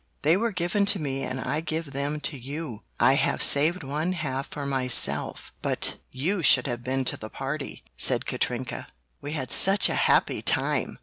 "They were given to me and I give them to you! I have saved one half for myself! But you should have been to the party!" said Katrinka, "We had such a happy time!"